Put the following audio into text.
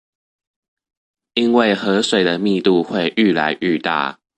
因為河水的密度愈來愈大